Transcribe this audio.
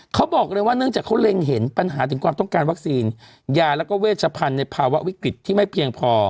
เขาบอกเลยว่าเนื่องจากเขาเล็งเห็นปัญหาถึงความต้องการวัคซีนยาแล้วก็เวชพันธุ์ในภาวะวิกฤตที่ไม่เพียงพอ